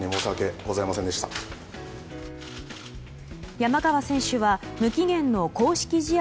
山川選手は無期限の公式試合